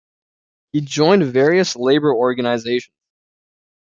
He joined various labor organizations.